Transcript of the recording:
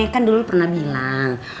kan dulu pernah bilang